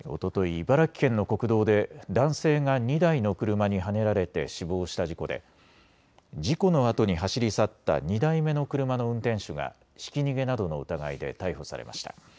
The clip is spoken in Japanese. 茨城県の国道で男性が２台の車にはねられて死亡した事故で事故のあとに走り去った２台目の車の運転手がひき逃げなどの疑いで逮捕されました。